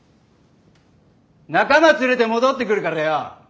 仲間連れて戻ってくるからよ